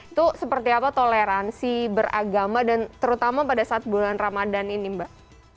itu seperti apa toleransi beragama dan terutama pada saat bulan ramadhan ini mbak